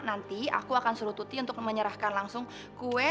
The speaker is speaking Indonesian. nanti aku akan suruh tuti untuk menyerahkan langsung kue sama notnya langsung ke bella